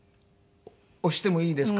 「押してもいいですか？